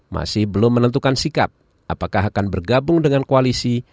masih belum menentukan sikap apakah akan bergabung dengan koalisi